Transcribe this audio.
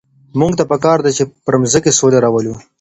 موږ ته په کار ده چي پر مځکي سوله راولو.